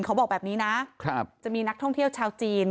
เขาบอกแบบนี้นะจะมีนักท่องเที่ยวชาวจีน